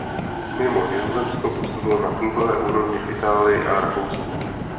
Mimo Nizozemsko působil na klubové úrovni v Itálii a Rakousku.